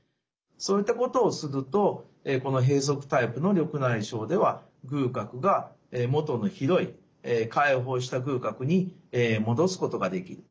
そういったことをするとこの閉塞タイプの緑内障では隅角が元の広い開放した隅角に戻すことができる。